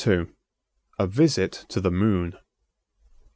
A Visit to the Moon.